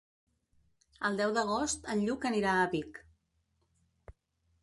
El deu d'agost en Lluc anirà a Vic.